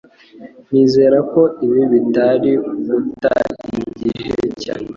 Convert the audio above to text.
Nizere ko ibi bitari uguta igihe cyanjye.